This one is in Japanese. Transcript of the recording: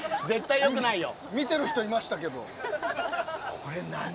見てる人いましたけど。